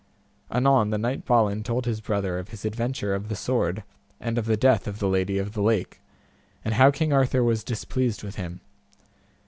Anon the knight Balin told his brother of his adventure of the sword, and of the death of the Lady of the Lake, and how King Arthur was displeased with him.